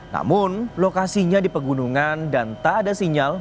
namun lokasinya di pegunungan dan tak ada sinyal